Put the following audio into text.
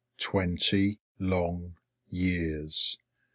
Twenty long years!